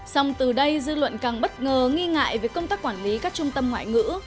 xong từ đây dư luận càng bất ngờ nghi ngại về công tác quản lý các trung tâm ngoại ngữ